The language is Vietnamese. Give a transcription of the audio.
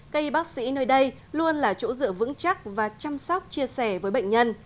các bác sĩ nơi đây luôn là chỗ dựa vững chắc và chăm sóc chia sẻ với bệnh nhân